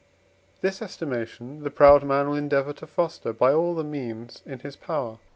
this estimation the proud man will endeavour to foster by all the means in his power (III.